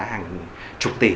hàng chục tỷ